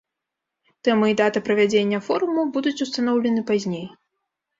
Тэма і дата правядзення форуму будуць устаноўлены пазней.